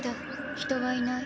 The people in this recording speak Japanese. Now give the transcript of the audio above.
人はいない。